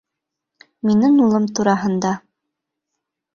Минең улым тураһында.